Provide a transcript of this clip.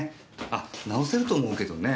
あ直せると思うけどね。